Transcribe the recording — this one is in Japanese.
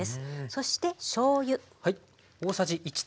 そしてしょうゆ。